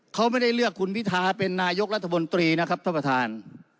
เขาไม่ได้เลือกคุณพิทาเป็นนายกรัฐมนตรีนะครับท่านประธาน